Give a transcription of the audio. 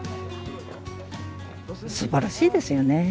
すばらしいですよね。